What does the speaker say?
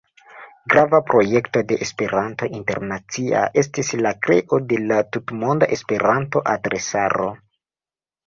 Grava projekto de "Esperanto Internacia" estis la kreo de la Tutmonda Esperanto-adresaro.